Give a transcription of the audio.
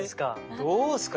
どうですか？